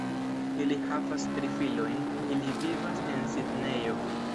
Ili havas tri filojn, ili vivas en Sidnejo.